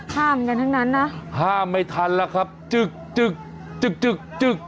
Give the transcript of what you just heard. ห้ามกันทั้งนั้นนะห้ามไม่ทันแล้วครับจึกจึกจึกจึกจึก